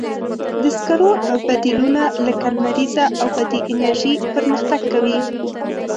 د سکرو بدیلونه لکه لمریزه او بادي انرژي پرمختګ کوي.